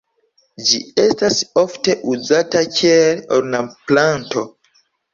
Ĝi estas ofte uzata kiel ornamplanto.